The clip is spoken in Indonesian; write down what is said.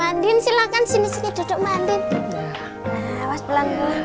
enggak bisa jual dua